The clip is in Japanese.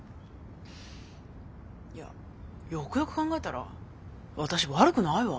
いやよくよく考えたら私悪くないわ。